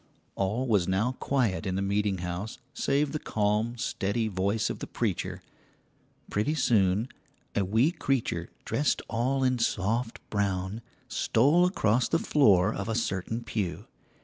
All was now quiet in the meeting house save the calm, steady voice of the preacher. Pretty soon a wee creature dressed all in soft brown stole across the floor of a certain pew.